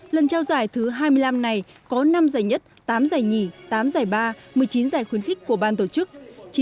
lần trao giải thứ hai mươi năm này có năm giải nhất tám giải nhì tám giải ba một mươi chín giải khuyến khích của ban tổ chức